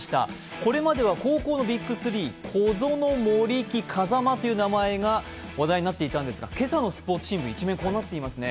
これまでは高校のビッグ３、小園、森木、風間という名前が話題になっていたんですが今朝のスポーツ新聞の１面、こうなってますね。